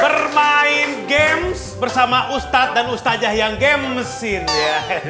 bermain games bersama ustadz dan ustadzah yang gamesin ya